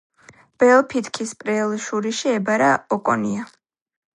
ბრელ ფითქის ბრელ შურიში ებარა ოკონია.